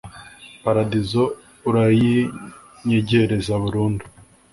paradizo urayinyegereza burundu